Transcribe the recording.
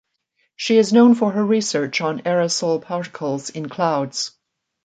She is known for her research on aerosol particles in clouds.